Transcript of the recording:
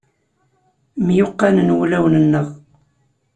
Myuqqanen wulawen-nneɣ.